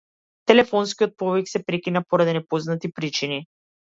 Телефонскиот повик се прекина поради непознати причини.